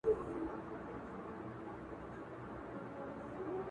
ږغ مي بدل سويدی اوس.